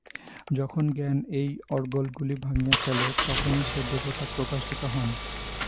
যখন জ্ঞান এই অর্গলগুলি ভাঙিয়া ফেলে, তখনই সেই দেবতা প্রকাশিত হন।